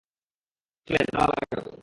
চলেন, তালা লাগাবো।